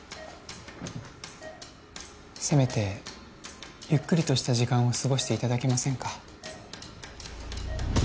せめてゆっくりとした時間をすごしていただけませんか？